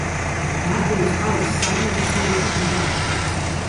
ბარტონს ჰყავს სამი უმცროსი ძმა.